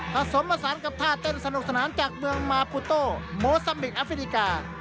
ผสมละสานกับท่าเต้นสนุกสนานจากเมืองมาพุโต้มุสลิปอเฟริกา